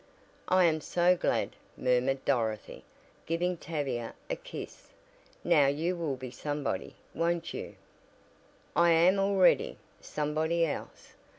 "I am so glad," murmured Dorothy, giving Tavia a kiss. "Now you will be somebody, won't you?" "I am already somebody else.